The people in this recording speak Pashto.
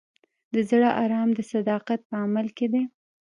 د زړه ارام د صداقت په عمل کې دی.